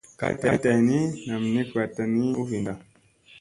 Kaa dayni nam nik vaɗta ni u vinda.